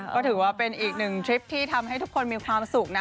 ก็ถือว่าเป็นอีกหนึ่งทริปที่ทำให้ทุกคนมีความสุขนะ